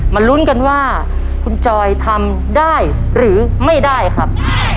ลุ้นกันว่าคุณจอยทำได้หรือไม่ได้ครับ